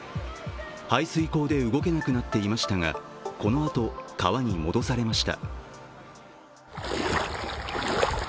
排水溝で動けなくなっていましたがこのあと、川に戻されました。